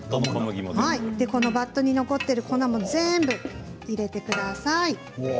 バットに残っている粉も全部入れてください。